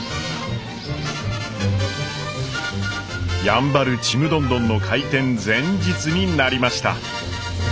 やんばるちむどんどんの開店前日になりました。